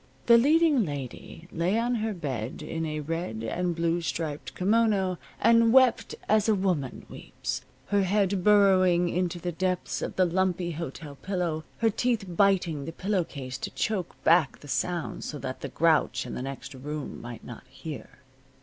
The leading lady lay on her bed in a red and blue striped kimono and wept as a woman weeps, her head burrowing into the depths of the lumpy hotel pillow, her teeth biting the pillow case to choke back the sounds so that the grouch in the next room might not hear.